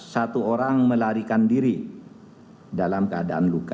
satu orang melarikan diri dalam keadaan luka